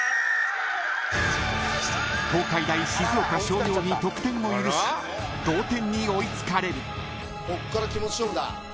［東海大静岡翔洋に得点を許し同点に追い付かれる］